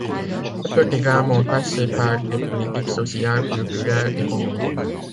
Elle peut également passer par des politiques sociales, culturelles, économiques.